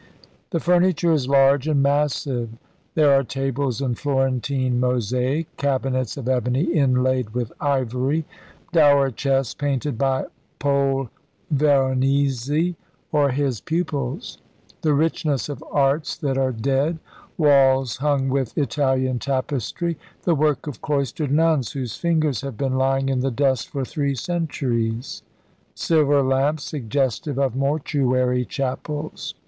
The furniture is large and massive. There are tables in Florentine mosaic; cabinets of ebony inlaid with ivory; dower chests painted by Paul Veronese or his pupils; the richness of arts that are dead; walls hung with Italian tapestry, the work of cloistered nuns whose fingers have been lying in the dust for three centuries; silver lamps suggestive of mortuary chapels.